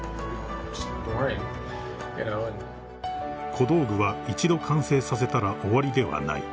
［小道具は一度完成させたら終わりではない］